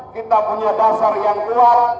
kita punya dasar yang kuat